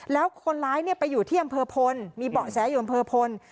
แล้วคนร้ายไปอยู่ที่อำเภอพลมีเบาะแสอยู่อำเภอพล